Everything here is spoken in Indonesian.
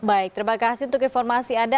baik terima kasih untuk informasi anda